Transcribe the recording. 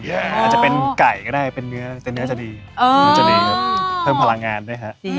อาจจะเป็นไก่ก็ได้เป็นเนื้อแต่เนื้อจะดีเพิ่มพลังงานด้วยค่ะ